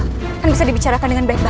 kan bisa dibicarakan dengan baik mbak